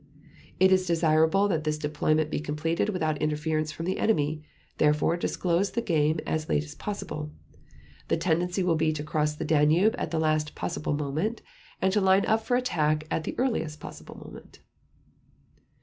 . It is desirable that this deployment be completed without interference from the enemy. Therefore, disclose the game as late as possible. The tendency will be to cross the Danube at the last possible moment, and to line up for attack at the earliest possible moment."